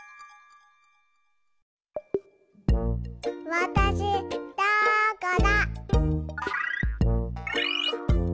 わたしどこだ？